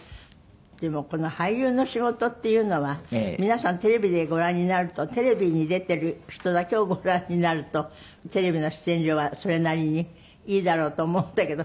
でもこの俳優の仕事っていうのは皆さんテレビでご覧になるとテレビに出てる人だけをご覧になるとテレビの出演料はそれなりにいいだろうと思うんだけど。